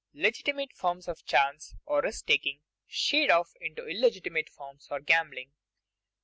_Legitimate forms of chance, or risk taking, shade off into illegitimate forms, or gambling.